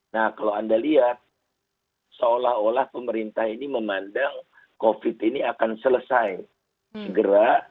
nah kalau anda lihat seolah olah pemerintah ini memandang covid ini akan selesai segera